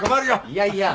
いやいや。